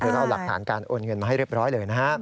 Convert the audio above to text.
เราเอาหลักฐานการโอนเงินมาให้เรียบร้อยเลยนะฮะ